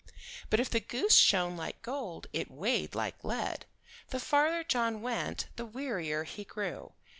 But if the goose shone like gold it weighed like lead. The farther John went the wearier he grew.